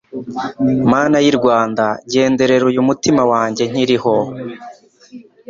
mana yi rwanda genderera uyu mutima wange nkiri ho